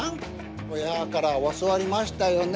親から教わりましたよね